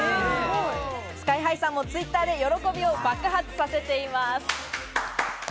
ＳＫＹ−ＨＩさんもＴｗｉｔｔｅｒで喜びを爆発させています。